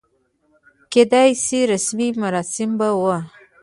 کېدای شي رسمي مراسم به و.